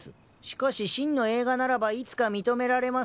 しかし真の映画ならばいつか認められます。